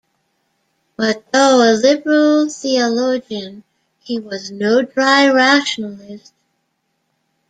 But though a liberal theologian, he was no dry rationalist.